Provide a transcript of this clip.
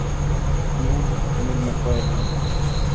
موږ ميلمه پال يو.